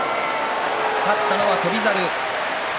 勝ったのは翔猿。